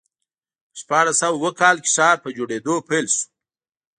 په شپاړس سوه اووه کال کې ښار په جوړېدو پیل شو.